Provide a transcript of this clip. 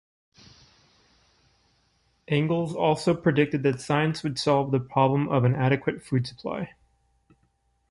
Engels also predicted that science would solve the problem of an adequate food supply.